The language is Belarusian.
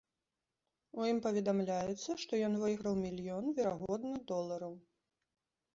У ім паведамляецца, што ён выйграў мільён, верагодна, долараў.